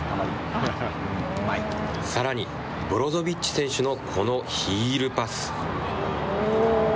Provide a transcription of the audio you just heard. さらに、ブロゾビッチ選手の、このヒールパス。